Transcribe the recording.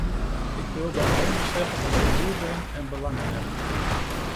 Ik wilde alleen maar zeggen dat ik boer ben en belangen heb.